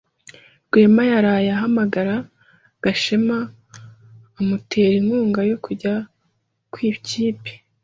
Rwema yaraye ahamagaye Gashema amutera inkunga yo kujya mu ikipe.